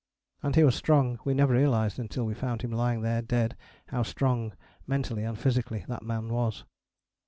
And he was strong: we never realized until we found him lying there dead how strong, mentally and physically, that man was.